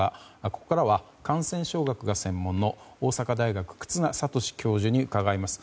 ここからは感染症学が専門の大阪大学の忽那賢志教授に伺います。